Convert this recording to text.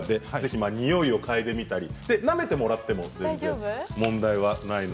においを嗅いでみたりなめてもらっても問題がありません。